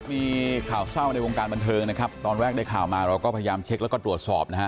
มีข่าวเศร้าในวงการบันเทิงนะครับตอนแรกได้ข่าวมาเราก็พยายามเช็คแล้วก็ตรวจสอบนะฮะ